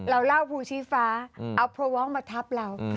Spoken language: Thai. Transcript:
เราเล่าพูดชีฟ้าเอาพูดชีฟ้ามาทับเรา